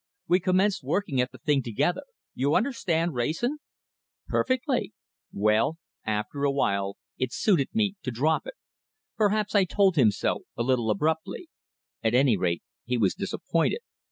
We commenced working at the thing together. You understand, Wrayson?" "Perfectly!" "Well after a while it suited me to drop it. Perhaps I told him so a little abruptly. At any rate, he was disappointed.